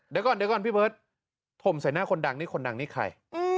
เดี๋ยวก่อนเดี๋ยวก่อนพี่เบิร์ตถมใส่หน้าคนดังนี่คนดังนี่ใคร